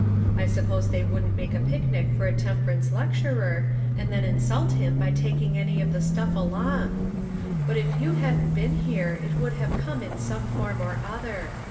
I suppose they wouldn't make a picnic for a temper ance lecturer, and then insult him by tak ing any of the stuff along ; but if you hadn't been here, it would have come in some form or other.